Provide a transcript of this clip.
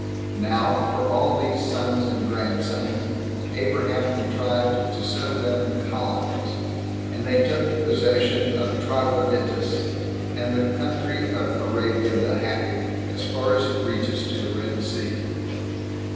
Now, for all these sons and grandsons, Abraham contrived to settle them in colonies; and they took possession of Troglodytis, and the country of Arabia the Happy, as far as it reaches to the Red Sea.